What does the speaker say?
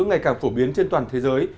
ngày càng phổ biến trên toàn thế giới